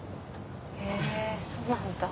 へぇそうなんだ。